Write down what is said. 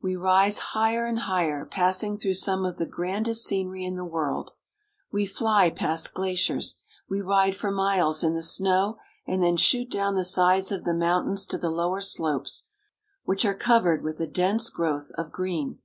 We rise higher and higher, passing through some of the grandest scenery in the world. We fly past glaciers. We ride for miles in the snow, and then shoot down the sides of the mountains to the lower slopes, which are covered with a dense growth of green.